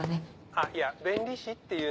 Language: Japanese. あっいや弁理士っていうのは。